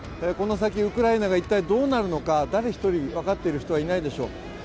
この先、ウクライナが一体どうなるのか、誰一人分かっている人はいないでしょう。